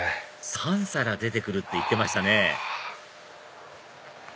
３皿出て来るって言ってましたね